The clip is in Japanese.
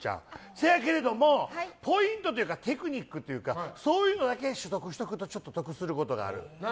せやけれども、ポイントというかテクニックというかそういうのだけ取得しておくとちょっと得することがある。